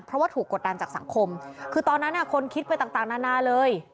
เพราะว่าถูกกดดันจากสังคมคือตอนนั้นคนคิดไปต่างนานาเลย